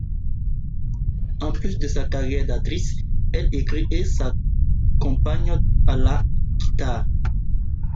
En plus de sa carrière d'actrice, elle écrit et s'accompagne à la guitare.